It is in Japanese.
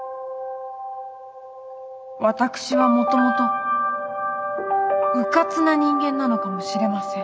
私はもともとうかつな人間なのかもしれません。